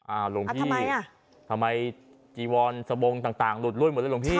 อ่าหลวงพี่อ่าทำไมอ่ะทำไมจีวอนสบงต่างต่างหลุดร่วนหมดแล้วหลวงพี่